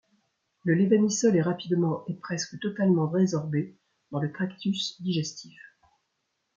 Le lévamisole est rapidement et presque totalement résorbé dans le tractus digestif.